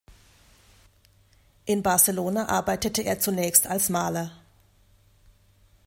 In Barcelona arbeitete er zunächst als Maler.